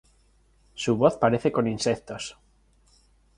Su voz parece con insectos.